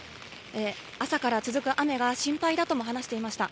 朝から続く雨が心配だとも話していました。